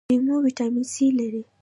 لیمو ویټامین سي لري